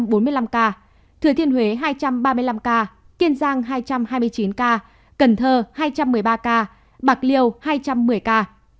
thừa thiên huế hai trăm ba mươi năm ca kiên giang hai trăm hai mươi chín ca cần thơ hai trăm một mươi ba ca bạc liêu hai trăm một mươi ca